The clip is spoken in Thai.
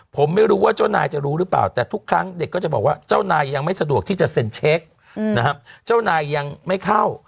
ผมไม่รู้ว่าเจ้านายจะรู้หรือเปล่าแต่ทุกครั้งเด็กก็จะบอกว่าเจ้านายยังไม่สะดวกที่จะเซ็นเช็คนะครับเจ้านายยังไม่เข้า